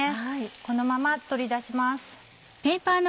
このまま取り出します。